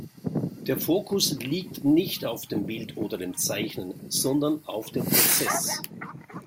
Der Fokus liegt nicht auf dem Bild oder dem Zeichnen, sondern auf dem Prozess.